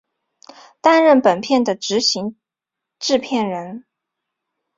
担任本片的执行制片人。